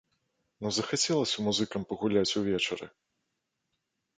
Ну захацелася музыкам пагуляць увечары!